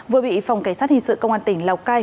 vừa bị phòng cảnh sát hình sự công an tỉnh lào cai